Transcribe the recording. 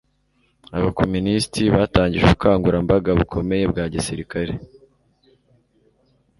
abakomunisiti batangije ubukangurambaga bukomeye bwa gisirikare